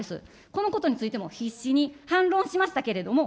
このことについても必死に反論しましたけれども。